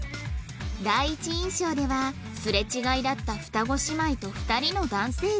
第一印象ではすれ違いだった双子姉妹と２人の男性陣